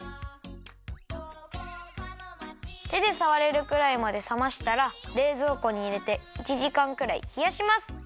てでさわれるくらいまでさましたられいぞうこにいれて１じかんくらいひやします！